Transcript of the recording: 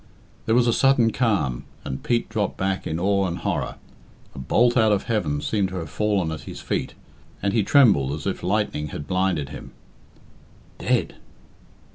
There was a sudden calm, and Pete dropped back in awe and horror. A bolt out of heaven seemed to have fallen at his feet, and he trembled as if lightning had blinded him. Dead!